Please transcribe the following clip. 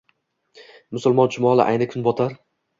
Musulmon chumoli ayni kunbotar.